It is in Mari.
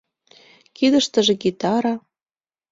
Кидыштыже — гитара.